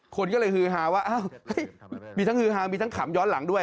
คนก็เลยฮือฮาว่าอ้าวมีทั้งฮือฮามีทั้งขำย้อนหลังด้วย